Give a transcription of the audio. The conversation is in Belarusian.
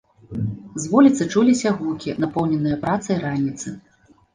З вуліцы чуліся гукі напоўненай працай раніцы.